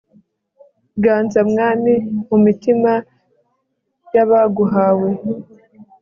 ganza mwami, mu mitima y'abaguhawe